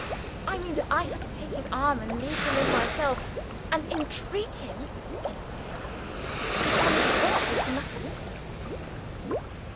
I mean that I had to take his arm, and lead him in myself, and entreat him (in a whisper) to tell me what was the matter with him.